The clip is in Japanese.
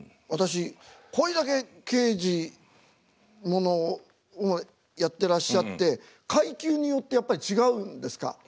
私これだけ刑事物をやってらっしゃって階級によってやっぱり違うんですか？